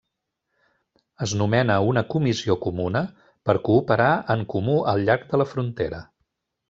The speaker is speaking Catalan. Es nomena una comissió comuna per cooperar en comú al llarg de la frontera.